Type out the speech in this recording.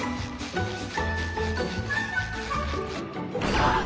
あっ！